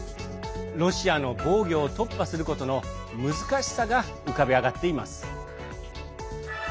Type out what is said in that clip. ロシアの防御を突破することの難しさが浮かび上がっています。